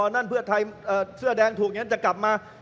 นั่นเพื่อไทยเสื้อแดงถูกอย่างนั้นจะกลับมา